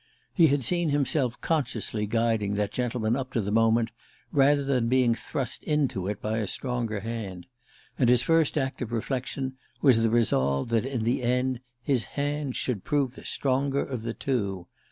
He had seen himself consciously guiding that gentleman up to the moment, rather than being thrust into it by a stronger hand. And his first act of reflection was the resolve that, in the end, his hand should prove the stronger of the two.